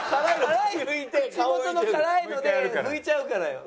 口元の辛いので拭いちゃうからよ。